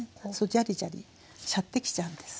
ジャリジャリしゃってきちゃうんです。